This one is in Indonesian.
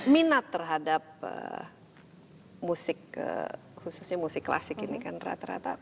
minat terhadap musik khususnya musik klasik ini kan rata rata